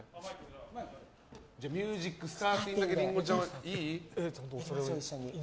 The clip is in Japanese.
ミュージックスターティンだけりんごちゃん、いい？